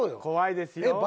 怖いですよ。